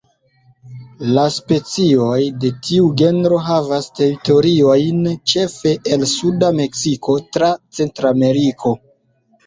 La specioj de tiu genro havas teritoriojn ĉefe el suda Meksiko tra Centrameriko.